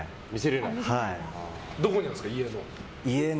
どこにあるんですか、家の。